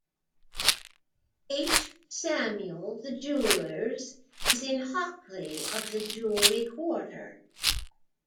H. Samuel, the jewellers, is in Hockley of the Jewellery Quarter.